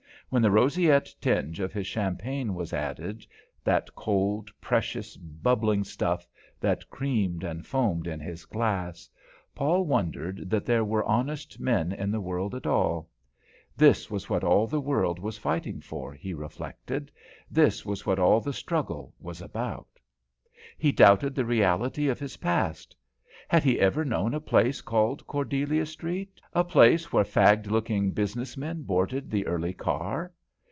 When the roseate tinge of his champagne was added that cold, precious, bubbling stuff that creamed and foamed in his glass Paul wondered that there were honest men in the world at all. This was what all the world was fighting for, he reflected; this was what all the struggle was about. He doubted the reality of his past. Had he ever known a place called Cordelia Street, a place where fagged looking business men boarded the early car?